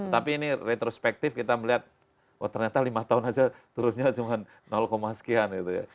tapi ini retrospektif kita melihat oh ternyata lima tahun saja turunnya cuma sekian gitu ya